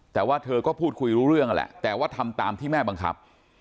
แต่ว่าเธอก็พูดคุยรู้เรื่องนั่นแหละแต่ว่าทำตามที่แม่บังคับ